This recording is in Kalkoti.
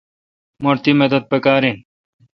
مٹھ تی مدد پکار این۔